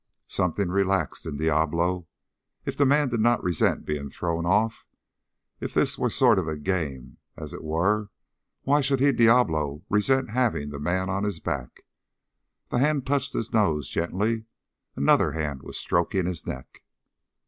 Something relaxed in Diablo. If the man did not resent being thrown off if that were a sort of game, as it were why should he, Diablo, resent having the man on his back? The hand touched his nose gently; another hand was stroking his neck.